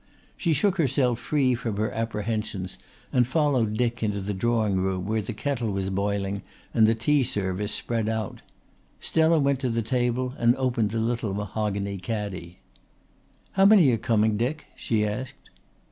She shook herself free from her apprehensions and followed Dick into the drawing room, where the kettle was boiling and the tea service spread out. Stella went to the table and opened the little mahogany caddy. "How many are coming, Dick?" she asked.